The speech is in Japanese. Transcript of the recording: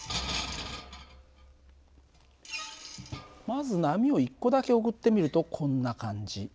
まず波を１個だけ送ってみるとこんな感じ。